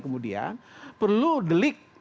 kemudian perlu delik